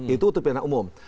itu untuk pidana umum